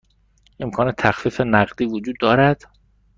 امکان تخفیف نقدی وجود دارد؟